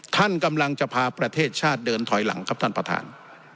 ท่านกำลังจะพาประเทศชาติเดินถอยหลังครับท่านประธาน